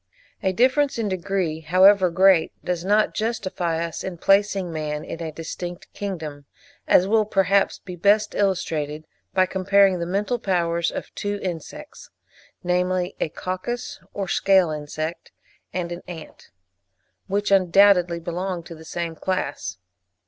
A difference in degree, however great, does not justify us in placing man in a distinct kingdom, as will perhaps be best illustrated by comparing the mental powers of two insects, namely, a coccus or scale insect and an ant, which undoubtedly belong to the same class.